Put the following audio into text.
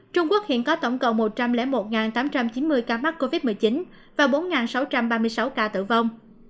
trung quốc hiện có tổng cộng một trăm linh một tám trăm chín mươi ca mắc covid một mươi chín và bốn sáu trăm ba mươi sáu ca tử vong